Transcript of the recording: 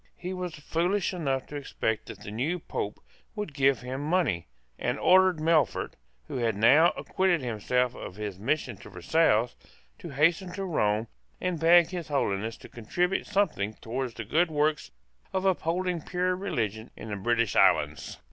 He was foolish enough to expect that the new Pope would give him money, and ordered Melfort, who had now acquitted himself of his mission at Versailles, to hasten to Rome, and beg His Holiness to contribute something towards the good work of upholding pure religion in the British islands.